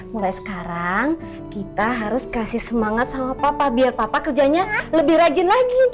mulai sekarang kita harus kasih semangat sama papa biar papa kerjanya lebih rajin lagi